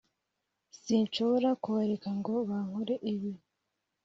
sinshobora kubareka ngo bankore ibi.